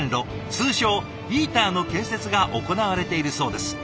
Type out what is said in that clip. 通称「イーター」の建設が行われているそうです。